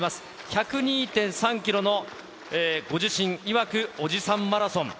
１０２．３キロのご自身いわくおじさんマラソン。